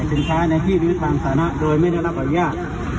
นี่มันไม่จินสูตรมันจะเอาใหม่ก่อน